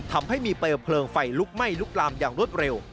ทำให้มีเปลวเพลิงไฟลุกไหม้ลุกลามอย่างรวดเร็ว